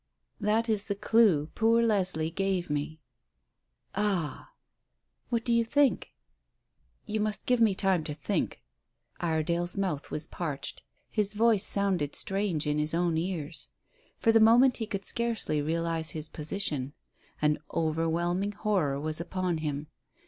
"That is the clue poor Leslie gave me." "Ah!" "What do you think?" "You must give me time to think." Iredale's mouth was parched. His voice sounded strange in his own ears. For the moment he could scarcely realize his position. An overwhelming horror was upon him.